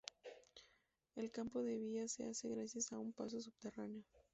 El cambio de vías se hace gracias a un paso subterráneo.